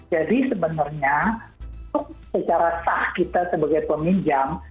jadi sebenarnya untuk secara sah kita sebagai peminjam